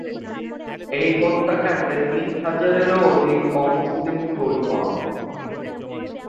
এই হত্যাকাণ্ডে তিন হাজারেরও অধিক অমুসলিম খুন হন।